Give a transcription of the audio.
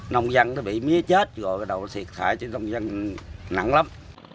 nông dân nó bị mía chết rồi cái đầu nó xịt thải trên nông dân nặng lắm